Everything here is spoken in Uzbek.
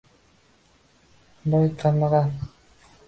«Boy-kambag‘al»